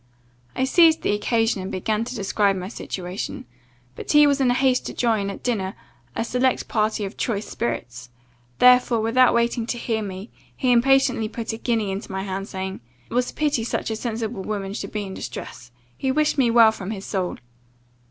I seized the occasion, and began to describe my situation; but he was in haste to join, at dinner, a select party of choice spirits; therefore, without waiting to hear me, he impatiently put a guinea into my hand, saying, 'It was a pity such a sensible woman should be in distress he wished me well from his soul.